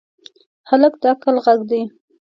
هلک د عقل غږ دی.